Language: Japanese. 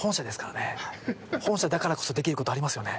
本社だからこそできることありますよね？